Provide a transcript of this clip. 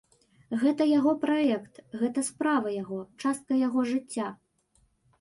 Гэта яго праект, гэта справа яго, частка яго жыцця.